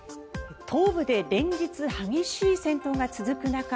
東部で連日、激しい戦闘が続く中